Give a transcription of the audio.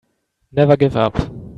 Never give up.